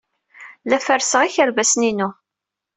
La fessreɣ ikerbasen-inu.